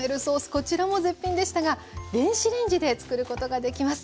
こちらも絶品でしたが電子レンジでつくることができます。